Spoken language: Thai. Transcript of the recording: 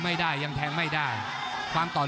ภูตวรรณสิทธิ์บุญมีน้ำเงิน